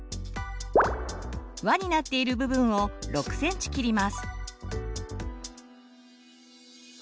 「わ」になっている部分を６ｃｍ切ります。